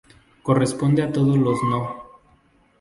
Corresponde a todos los No.